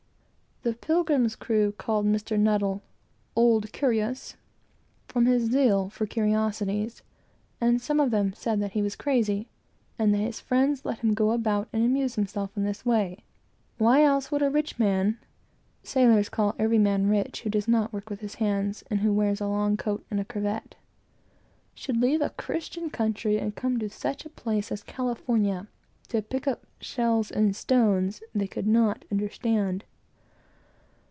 The Pilgrim's crew christened Mr. N. "Old Curious," from his zeal for curiosities, and some of them said that he was crazy, and that his friends let him go about and amuse himself in this way. Why else a rich man (sailors call every man rich who does not work with his hands, and wears a long coat and cravat) should leave a Christian country, and come to such a place as California, to pick up shells and stones, they could not understand.